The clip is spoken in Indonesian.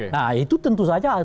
nah itu tentu saja